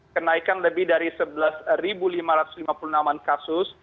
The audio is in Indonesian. kenaikan lebih dari sebelas lima ratus lima puluh enam kasus